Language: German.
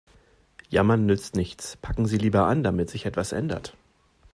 Jammern nützt nichts, packen Sie lieber an, damit sich etwas ändert.